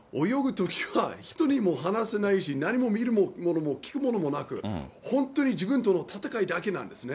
泳ぐときは人にも話せないし、何も見るものも聞くものもなく、本当に自分との戦いだけなんですね。